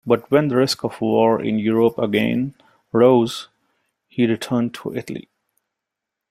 But when the risk of war in Europe again rose, he returned to Italy.